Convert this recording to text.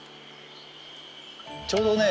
ちょうどね